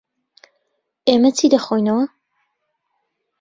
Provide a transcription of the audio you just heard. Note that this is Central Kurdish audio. ئێمە چی دەخۆینەوە؟